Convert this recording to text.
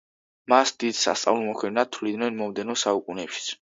მას დიდ სასწაულმოქმედად თვლიდნენ მომდევნო საუკუნეებშიც.